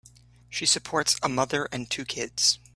She supports a mother and two kids.